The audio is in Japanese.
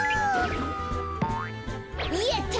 やった！